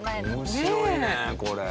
面白いねこれ。